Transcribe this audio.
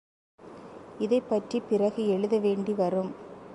இதைப்பற்றிப் பிறகு எழுத வேண்டி வரும்.